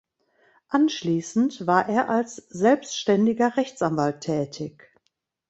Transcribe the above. Anschließend war er als selbständiger Rechtsanwalt tätig.